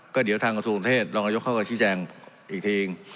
ก็เดี๋ยวทางกับสู่ประเทศลองระยกเข้ากับชิคแจงอีกที